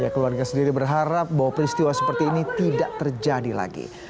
keluarga sendiri berharap bahwa peristiwa seperti ini tidak terjadi lagi